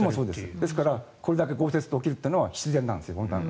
ですからこれだけ降雪が起きるのは必然なんですよ。